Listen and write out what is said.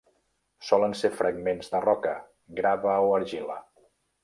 Solen ser fragments de roca, grava o argila.